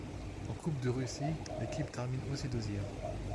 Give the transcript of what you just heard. En Coupe de Russie, l'équipe termine aussi deuxième.